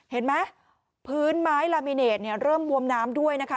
เห็นไหมพื้นไม้ลามิเนตเริ่มบวมน้ำด้วยนะคะ